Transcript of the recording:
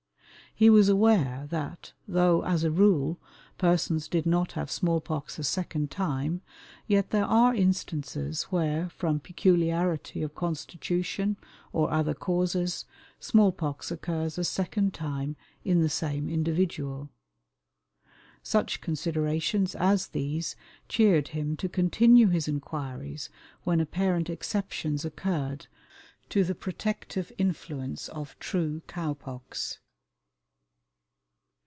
He was aware that though, as a rule, persons did not have small pox a second time, yet there are instances where, from peculiarity of constitution or other causes, small pox occurs a second time in the same individual. Such considerations as these cheered him to continue his inquiries when apparent exceptions occurred to the protective influence of true cow pox.